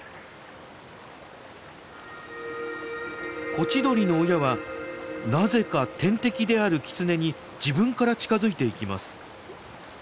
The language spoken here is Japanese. コチドリの親はなぜか天敵であるキツネに自分から近づいていきます。